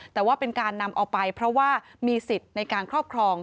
แต่ว่าเป็นการนำเอาไปเพราะว่ามีสิทธิ์ในการครอบครอง